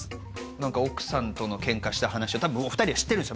何か奥さんとのケンカした話をたぶんお二人は知ってるんです